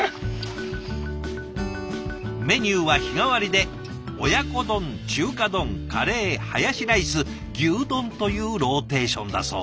メニューは日替わりで親子丼中華丼カレーハヤシライス牛丼というローテーションだそう。